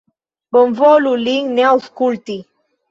Bonvolu lin ne aŭskulti!